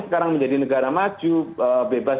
sekarang menjadi negara maju bebas